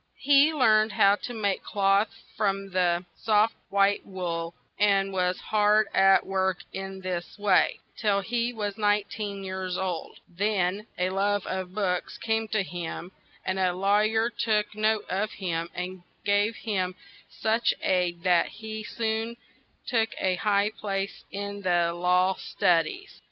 He learned how to make cloth from the soft white wool; and was hard at work, in this way, till he was nine teen years old; then a love of books came to him; and a law yer took note of him and gave him such aid that he soon took a high place in the law stud ies.